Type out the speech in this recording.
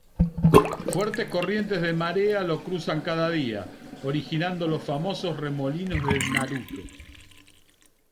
Fuertes corrientes de marea lo cruzan cada día, originando los famosos remolinos de Naruto.